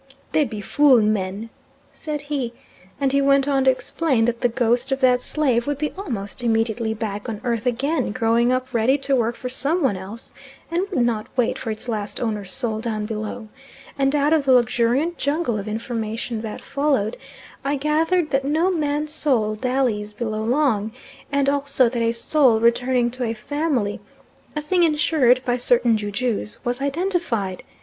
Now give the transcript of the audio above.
"They be fool men," said he, and he went on to explain that the ghost of that slave would be almost immediately back on earth again growing up ready to work for some one else, and would not wait for its last owner's soul down below, and out of the luxuriant jungle of information that followed I gathered that no man's soul dallies below long, and also that a soul returning to a family, a thing ensured by certain ju jus, was identified.